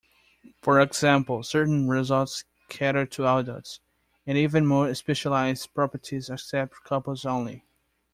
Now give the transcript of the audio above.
For example, certain resorts cater to adults, and even more-specialized properties accept couples only.